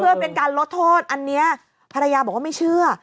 เพื่อเป็นการลดโทษอันนี้ภรรยาบอกว่าไม่เชื่อ